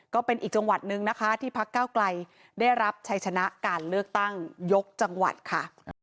ก็เป็นอีกจังหวัดนึงนะคะที่พักเก้าไกลได้รับชัยชนะการเลือกตั้งยกจังหวัดค่ะ